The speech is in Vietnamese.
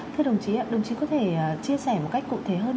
thưa đồng chí đồng chí có thể chia sẻ một cách cụ thể hơn